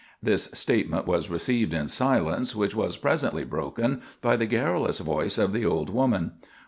This statement was received in silence, which was presently broken by the garrulous voice of the old woman.